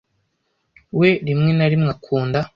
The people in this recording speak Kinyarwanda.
we rimwe na rimwe akunda